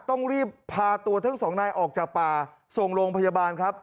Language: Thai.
ต้องรีบพาตัวทั้งสองนายออกจากป่าส่งโรงพยาบาลครับ